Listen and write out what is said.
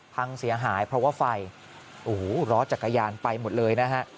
พังเสียหายเพราะว่าไฟโอ้โหล้อจักรยานไปหมดเลยนะฮะ